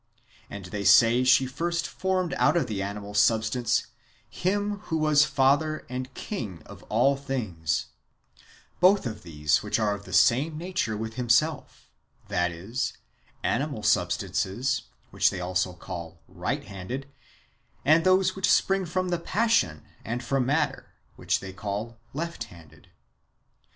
^ And they say she first formed out of animal substance him who is Father and King of all things, both of these which are of the same nature with himself, that is, animal substances, which they also call right handed, and those which sprang from the passion, and from matter, which they call left handed.